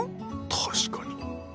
確かに。